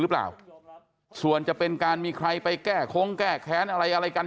หรือเปล่าส่วนจะเป็นการมีใครไปแก้คงแก้แค้นอะไรอะไรกัน